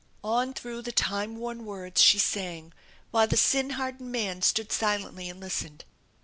On through the time worn words she sang, while the sin hardened man stood silently and listened.